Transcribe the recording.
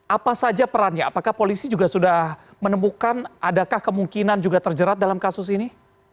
apa saja perannya apakah polisi juga sudah menemukan adakah kemungkinan juga terjerat dalam kasus ini